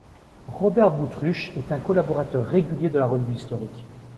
Robert Boutruche est un collaborateur régulier de la Revue historique.